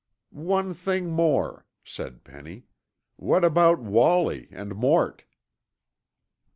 "One thing more," said Penny. "What about Wallie, and Mort?"